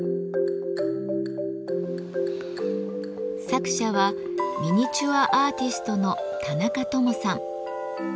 作者はミニチュアアーティストの田中智さん。